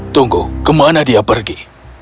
tunggu ke mana dia pergi